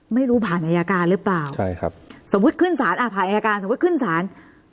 ไม่รู้ผ่านอายาการหรือเปล่าสมมุติขึ้นสารอ่ะผ่านอายาการสมมุติขึ้นสาร